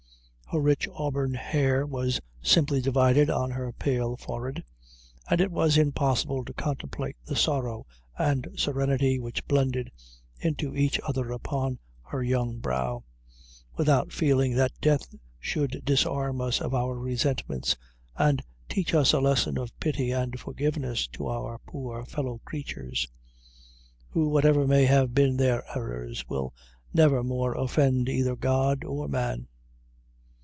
Her rich auburn hair was simply divided on her pale forehead, and it was impossible to contemplate the sorrow and serenity which blended into each other upon her young brow, without feeling that death should disarm us of our resentments, and teach us a lesson of pity and forgiveness to our poor fellow creatures, who, whatever may have been their errors, will never more offend either God or man.